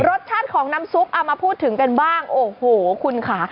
รสชาติของน้ำซุปเอามาพูดถึงกันบ้างโอ้โหคุณค่ะ